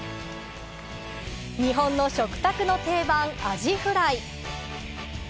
日本の食卓の定番アジフライ。